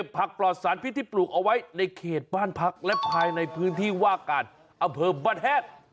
พักและพายในพื้นที่ว่าการอำเภอบัดแห้จ